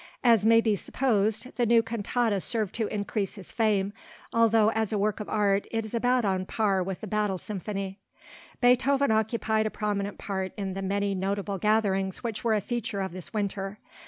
As may be supposed the new cantata served to increase his fame, although as a work of art it is about on a par with the Battle Symphony. Beethoven occupied a prominent part in the many notable gatherings which were a feature of this winter.